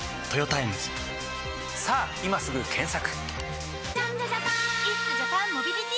さぁ今すぐ検索！